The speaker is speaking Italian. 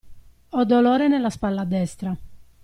Ho dolore nella spalla destra.